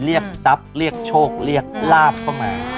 เรียกทรัพย์เรียกโชคเรียกลาบเข้ามา